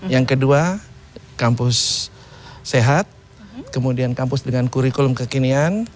yang kedua kampus sehat kemudian kampus dengan kurikulum kekinian